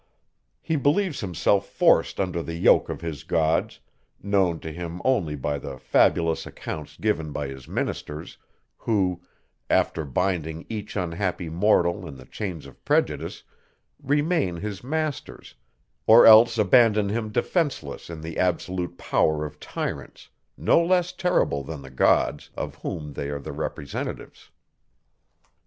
He believes himself forced under the yoke of his gods, known to him only by the fabulous accounts given by his ministers, who, after binding each unhappy mortal in the chains of prejudice, remain his masters, or else abandon him defenceless to the absolute power of tyrants, no less terrible than the gods, of whom they are the representatives.